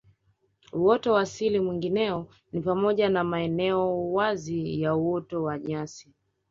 Uoto wa asili mwingineo ni pamoja na maeneo wazi ya uoto wa nyasi